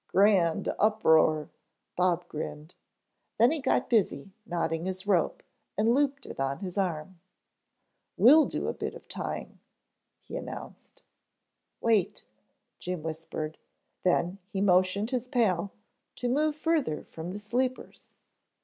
"Grand uproar," Bob grinned. Then he got busy knotting his rope, and looped it on his arm. "We'll do a bit of tying," he announced. "Wait," Jim whispered, then he motioned his pal to move further from the sleepers.